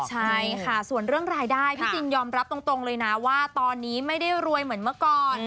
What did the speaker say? ใช่ค่ะส่วนเรื่องรายได้พี่จินยอมรับตรงเลยนะว่าตอนนี้ไม่ได้รวยเหมือนเมื่อก่อน